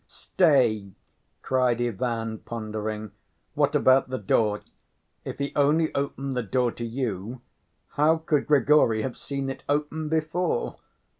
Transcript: "Stay," cried Ivan, pondering. "What about the door? If he only opened the door to you, how could Grigory have seen it open before?